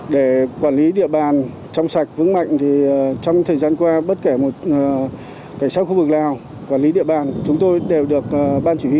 để quản lý địa bàn trong sạch vững mạnh thì trong thời gian qua bất kể một cảnh sát khu vực lào quản lý địa bàn chúng tôi đều được ban chỉ huy